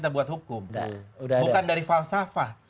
bukan dari falsafah